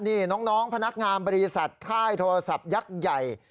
นี่น้องพนักงานบริษัทค่ายโทรศัพท์ยักษ์ใหญ่